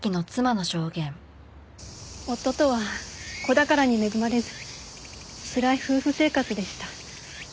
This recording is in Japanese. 夫とは子宝に恵まれずつらい夫婦生活でした。